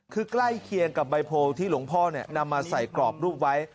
คือใกล้เคียงกับใบโพลที่หลวงพ่อนำมาใส่กรอบรูปไว้